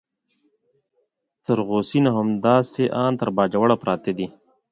تر غو سین او همداسې ان تر باجوړه پراته دي.